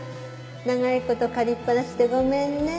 長い事借りっぱなしでごめんね。